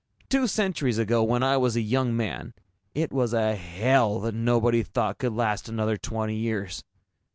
"Two centuries ago, when I was a young man, it was a hell that nobody thought could last another twenty years.